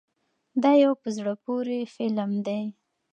دا یو په زړه پورې فلم دی.